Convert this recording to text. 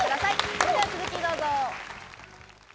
それでは続きをどうぞ。